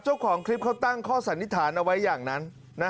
เจ้าของคลิปเขาตั้งข้อสันนิษฐานเอาไว้อย่างนั้น